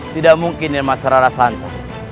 tidak mungkin nirmasara rasantan